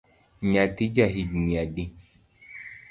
Nyathi ja higni adi?